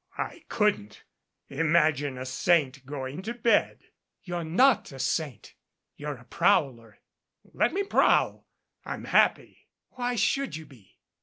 "I couldn't. Imagine a saint going to bed." "You're not a saint. You're a prowler." "Let me prowl. I'm happy." "Why should you be?"